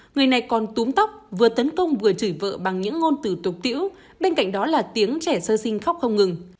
người này còn túm tóc vừa tấn công vừa chửi vợ bằng những ngôn từ tục tiễu bên cạnh đó là tiếng trẻ sơ sinh khóc không ngừng